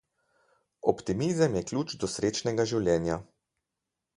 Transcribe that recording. Optimizem je ključ do srečnega življenja.